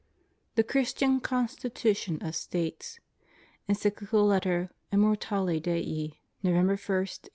THE CHRISTIAN CONSTITUTION OF STATES. Encyclical Letter Immortale Dei, November I, 1886.